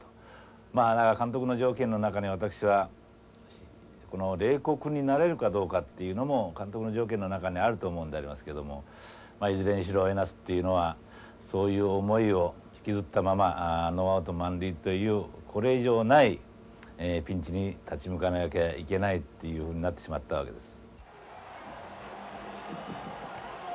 まあだから監督の条件の中に私はこの冷酷になれるかどうかっていうのも監督の条件の中にあると思うんでありますけどもまあいずれにしろ江夏っていうのはそういう思いを引きずったままノーアウト満塁というこれ以上ないピンチに立ち向かわなきゃいけないっていうふうになってしまったわけです。